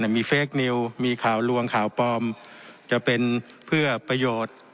มีเฟคนิวมีข่าวลวงข่าวปลอมจะเป็นเพื่อประโยชน์